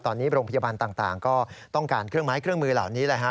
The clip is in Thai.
ตอนนี้โรงพยาบาลต่างก็ต้องการเครื่องไม้เครื่องมือเหล่านี้แหละฮะ